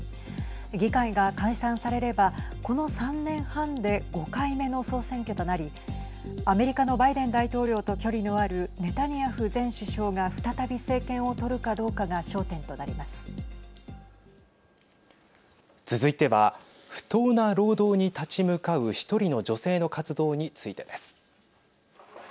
議会が解散されればこの３年半で５回目の総選挙となりアメリカのバイデン大統領と距離のあるネタニヤフ前首相が再び政権を取るかどうかが続いては不当な労働に立ち向かう１人の女性の活動についてです。